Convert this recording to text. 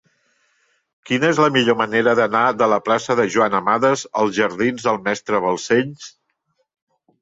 Quina és la millor manera d'anar de la plaça de Joan Amades als jardins del Mestre Balcells?